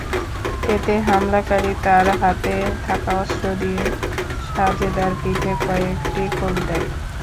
এতে হামলাকারী তার হাতে থাকা অস্ত্র দিয়ে সাজেদার পিঠে কয়েকটি কোপ দেয়।